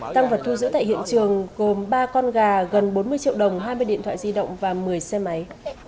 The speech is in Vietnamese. tăng vật thu giữ tại hiện trường gồm ba con gà gần bốn mươi triệu đồng hai mươi điện thoại di động và một mươi xe máy